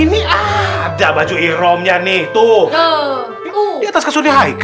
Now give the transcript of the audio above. ini ada baju ihromnya nih tuh